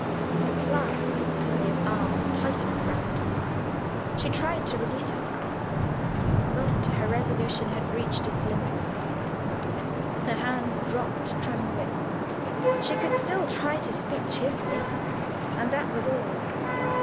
The clasp of Cecilia's arm tightened round her. She tried to release herself; but her resolution had reached its limits. Her hands dropped, trembling. She could still try to speak cheerfully, and that was all.